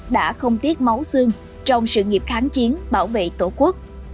đã không tiếc máu xương trong sự nghiệp kháng chiến bảo vệ tổ quốc